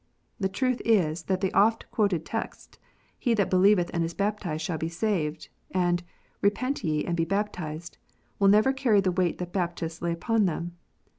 The truth is that the often quoted texts, "He that believeth and is baptized shall be saved," and "Repent ye, and be baptized," will never carry the weight that Baptists lay upon them.